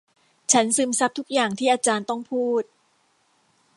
ฉันซึมซับทุกอย่างที่อาจารย์ต้องพูด